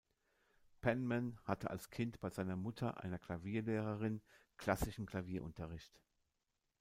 Penman hatte als Kind bei seiner Mutter, einer Klavierlehrerin, klassischen Klavierunterricht.